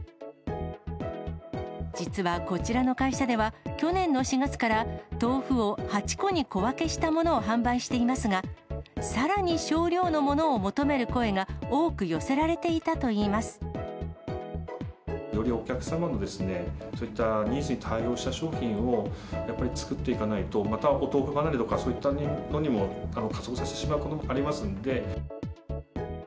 実はこちらの会社では、去年の４月から豆腐を８個に小分けしたものを販売していますが、さらに少量のものを求める声が、多く寄せられていたといいます。よりお客様のそういったニーズに対応した商品を、やっぱり作っていかないと、またおとうふ離れとか、そういったのにも、加速させてしまうこともありますので。